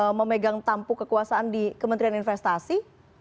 untuk memegang tampu kekuasaan di kementerian investasi